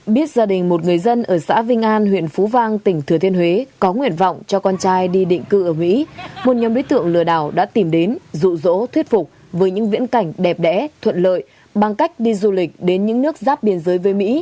biết gia đình một người dân ở xã vinh an huyện phú vang tỉnh thừa thiên huế có nguyện vọng cho con trai đi định cư ở mỹ một nhóm đối tượng lừa đảo đã tìm đến rụ rỗ thuyết phục với những viễn cảnh đẹp đẽ thuận lợi bằng cách đi du lịch đến những nước giáp biên giới với mỹ